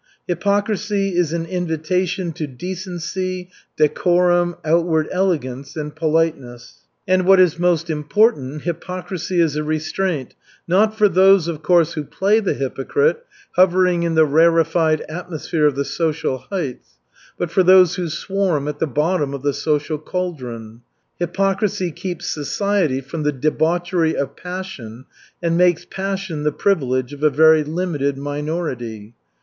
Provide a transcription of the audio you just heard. Hypocrisy is an invitation to decency, decorum, outward elegance and politeness. And what is most important, hypocrisy is a restraint, not for those, of course, who play the hypocrite, hovering in the rarified atmosphere of the social heights, but for those who swarm at the bottom of the social caldron. Hypocrisy keeps society from the debauchery of passion and makes passion the privilege of a very limited minority.